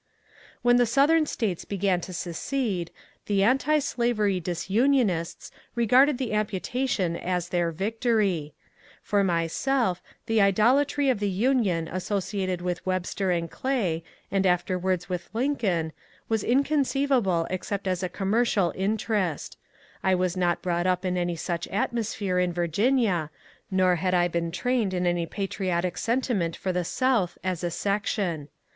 When the Southern States began to secede, the antislavery disunionists regarded the amputation as their victory. For 320 MONCURE DANIEL CONWAY Inyself the idolatry of the Union associated with Webster and Clay, and afterwards with Lincoln, was inconceivable except as a commercial interest ; I was not brought up in any such atmosphere in Virginia, nor had I been trained in any patri otic sentiment for the South as a section.